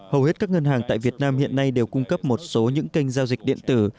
hầu hết các ngân hàng tại việt nam hiện nay đều cung cấp một số những kênh giao dịch điện tử